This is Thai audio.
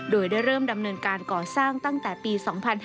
โดยได้เริ่มดำเนินการก่อสร้างตั้งแต่ปี๒๕๕๙